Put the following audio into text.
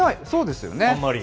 そうですよね。